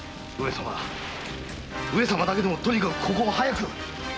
上様上様だけでもとにかくここは早く！